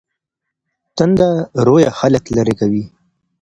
تنده رویه خلګ لیرې کوي.